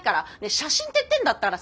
写真って言ってんだったらさ